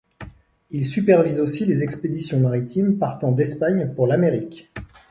Il supervise aussi les expéditions maritimes partant d'Espagne pour l'Amérique.